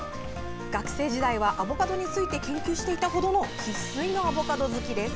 学生時代はアボカドについて研究していたほどの生っ粋のアボカド好きです。